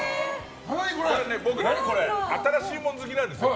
僕、新しいもの好きなんです。